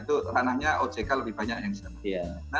itu ranahnya ock lebih banyak yang bisa